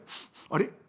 あれ？